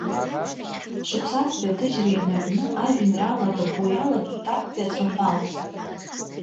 Шықәсазтәи аҭыжьра инаркны ажәеинраала адырбо иалагеит актәи ацәаҳәала.